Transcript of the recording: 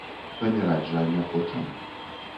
Паміраць жа не хочам.